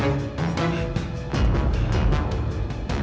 semoga kamu indonesia